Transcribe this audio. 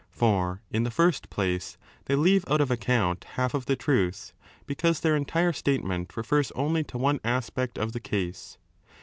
For, in the first place, they leave out of account half of the truth, because their entire statement refers only to one aspect of the case.